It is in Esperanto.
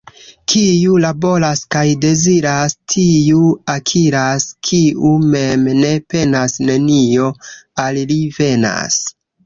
Kiu laboras kaj deziras, tiu akiras, — kiu mem ne penas, nenio al li venas.